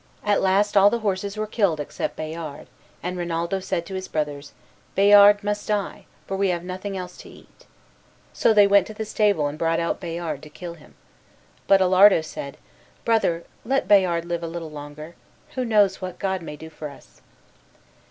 At last all the horses were killed except Bayard, and Rinaldo said to his brothers, "Bayard must die, for we have nothing else to eat." So they went to the stable and brought out Bayard to kill him. But Alardo said, "Brother, let Bayard live a little longer; who knows what God may do for us?"